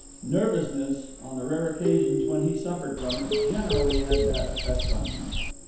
Nervousness, on the rare occasions when he suffered from it, generally had that effect on him.